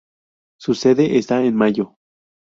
Su sede está en Mayo.